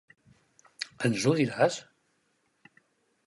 Ens ho diràs?